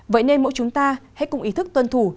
vậy nên mỗi chúng ta hãy cùng ý thức tuân thủ